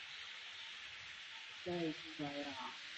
山西黄芩为唇形科黄芩属下的一个种。